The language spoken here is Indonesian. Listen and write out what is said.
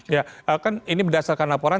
ya kan ini berdasarkan laporan